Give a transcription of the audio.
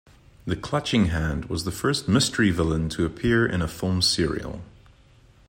The Clutching Hand was the first mystery villain to appear in a film serial.